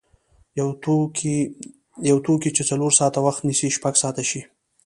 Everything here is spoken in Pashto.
یو توکی چې څلور ساعته وخت نیسي شپږ ساعته شي.